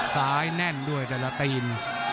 ซ้ายแน่นด้วยแต่ละตีน